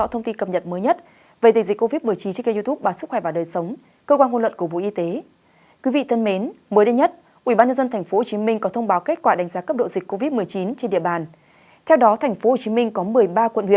hãy đăng ký kênh để ủng hộ kênh của chúng mình nhé